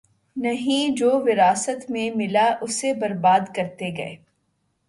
نہیں‘ جو وراثت میں ملا اسے بربادکرتے گئے۔